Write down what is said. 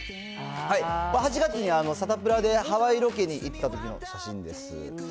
８月にサタプラでハワイロケに行ったときの写真です。